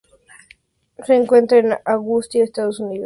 Se encuentra en Augusta, Estados Unidos.